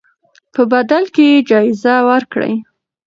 په بدل کې یې جایزه ورکړئ.